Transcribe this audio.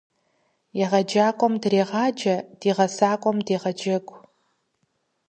Егъэджакӏуэм дрегъаджэ, ди гъэсакӏуэм дегъэджэгу.